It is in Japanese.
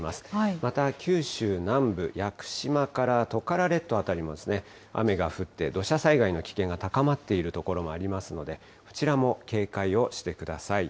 また九州南部、屋久島からトカラ列島辺りも、雨が降って、土砂災害の危険が高まっている所もありますので、こちらも警戒をしてください。